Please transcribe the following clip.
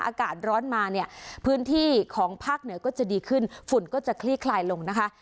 อากาศร้อนมาเนี่ยพื้นที่ของภาคเหนือก็จะดีขึ้นฝุ่นก็จะคลี่คลายลงนะคะ